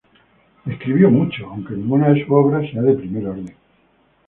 Escribió mucho, aunque ninguna de sus obras sea de primer orden.